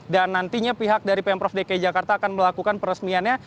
dan nantinya pihak dari pemprov dki jakarta akan melakukan peresmiannya